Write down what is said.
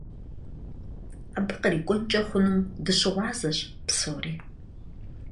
Абы кърикӀуэнкӀэ хъунум дыщыгъуазэщ псори.